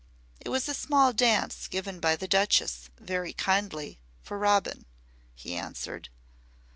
"It was a small dance given by the Duchess, very kindly, for Robin," he answered.